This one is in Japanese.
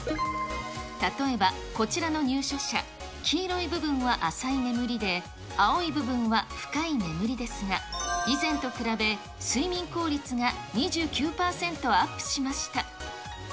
例えばこちらの入所者、黄色い部分は浅い眠りで、青い部分は深い眠りですが、以前と比べ、睡眠効率が２９％アップしました。